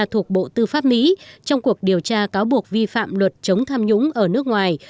thuộc bộ tư pháp mỹ trong cuộc điều tra cáo buộc vi phạm luật chống tham nhũng ở nước ngoài